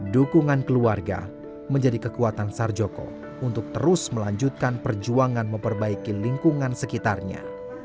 dukungan keluarga menjadi kekuatan sarjoko untuk terus melanjutkan perjuangan memperbaiki lingkungan sekitarnya